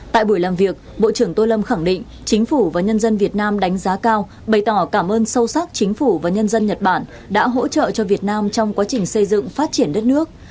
tại buổi làm việc bộ trưởng tô lâm khẳng định chính phủ và nhân dân việt nam đánh giá cao bày tỏ cảm ơn sâu sắc chính phủ và nhân dân nhật bản đã hỗ trợ cho việt nam trong quá trình xây dựng phát triển đất nước